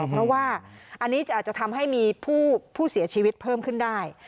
เพราะว่าอันนี้จะอาจจะทำให้มีผู้เสียชีวิตเพิ่มขึ้นได้